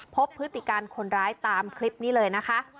พฤติการคนร้ายตามคลิปนี้เลยนะคะ